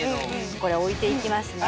これ、置いていきますね。